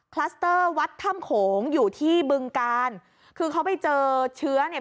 คลัสเตอร์วัดถ้ำโขงอยู่ที่บึงกาลคือเขาไปเจอเชื้อเนี่ย